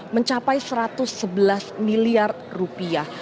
mencapai satu ratus tujuh belas miliar rupiah